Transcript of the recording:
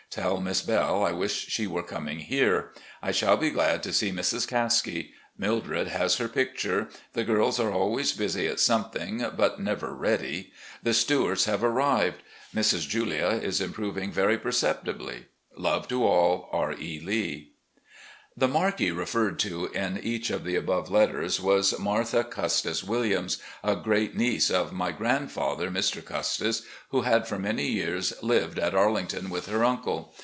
Tell Miss Belle I wish she were coming here. I shall be glad to see Mrs. Caskie. Mildred has her picture. The girls are always busy at something, but never ready. The Stuarts have arrived. Mrs. Julia is improving very perceptibly. Love to all. "R. E. Lee." The "Marlde" referred to in each of the above letters was Martha Custis Williams, a great niece of my grand 368 RECOLLECTIONS OP GENERAL LEE father, Mr. Ctistis, who had for many years lived at Arling ton with her uncle.